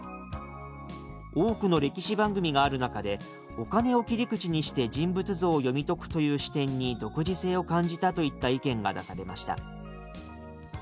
「多くの歴史番組がある中でお金を切り口にして人物像を読み解くという視点に独自性を感じた」といった意見が出されました。